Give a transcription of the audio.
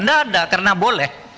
nggak ada karena boleh